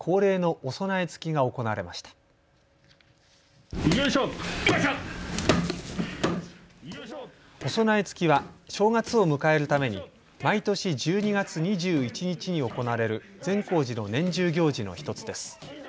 おそなえつきは正月を迎えるために毎年１２月２１日に行われる善光寺の年中行事の１つです。